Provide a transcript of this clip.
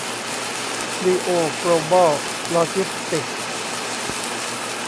ลีโอ โกลบอล โลจิสติกส์